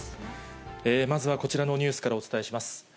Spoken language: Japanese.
まずはこちらのニュースからお伝えします。